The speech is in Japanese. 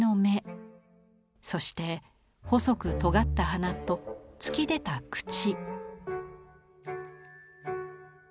そして細くとがった鼻と突き出た口。